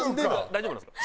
大丈夫なんですか？